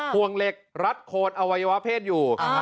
ห่วงเหล็กรัดโคนอวัยวะเพศอยู่